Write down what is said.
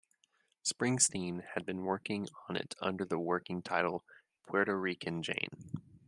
Springsteen had been working on it under the working title Puerto Rican Jane.